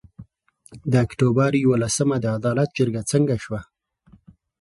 د اُکټوبر یولسمه د عدالت جرګه څنګه سوه؟